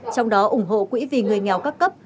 trong đó ủng hộ quỹ vì người nghèo các cấp